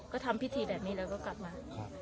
ก็ทำพิธีแบบนี้แล้วก็กลับมา